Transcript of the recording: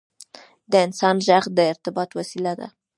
• د انسان ږغ د ارتباط وسیله ده.